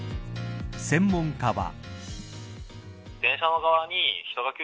専門家は。